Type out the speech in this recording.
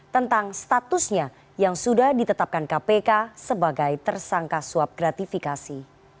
tentang statusnya yang sudah ditetapkan kpk sebagai tersangka suap gratifikasi